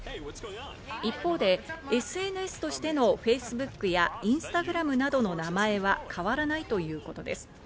一方でＳＮＳとしてのＦａｃｅｂｏｏｋやインスタグラムなどの名前は変わらないということです。